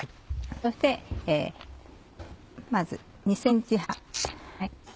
そしてまず２ｃｍ幅。